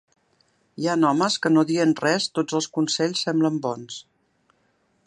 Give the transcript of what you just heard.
Hi han homes que no dient res tots els consells semblen bons